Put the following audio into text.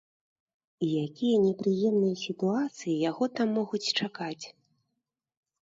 І якія непрыемныя сітуацыі яго там могуць чакаць?